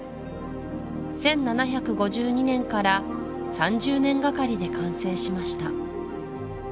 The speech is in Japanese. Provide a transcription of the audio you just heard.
１７５２年から３０年がかりで完成しました